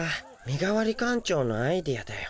みがわり館長のアイデアだよ。